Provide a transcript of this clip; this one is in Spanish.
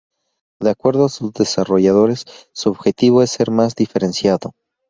De acuerdo a sus desarrolladores, su objetivo ser más diferenciado.